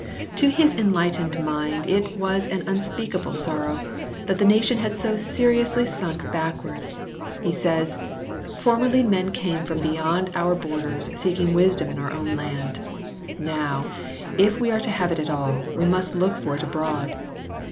To his enlightened mind it was an unspeakable sorrow that the nation had so seriously sunk back ward. He says :" Formerly men came from beyond our borders, seeking wisdom in our own land ; now, if we are to have it at all, we must look for it abroad.